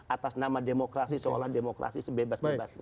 atas nama demokrasi seolah demokrasi sebebas bebasnya